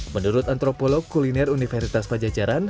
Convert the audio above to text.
menurut antropolog kuliner universitas pajajaran